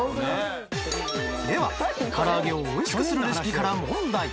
では唐揚げをおいしくするレシピから問題